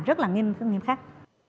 rất là nghiêm khắc